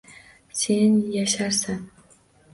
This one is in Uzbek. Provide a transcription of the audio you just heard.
Sen yasharsan